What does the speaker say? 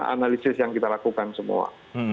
analisis yang kita lakukan semua